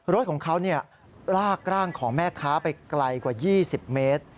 รถของเขาลากร่างของแม่ค้าไปไกลกว่า๒๐เมตร